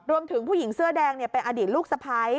ผู้หญิงเสื้อแดงเป็นอดีตลูกสะพ้าย